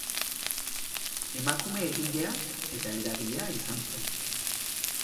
Emakume egilea eta eragilea izan zen.